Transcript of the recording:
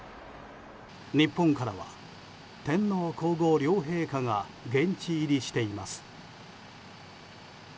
日本からは天皇・皇后両陛下が現地入りしています。